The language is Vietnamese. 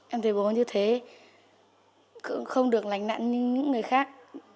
em thấy bố như thế không được lành nạn như những người khác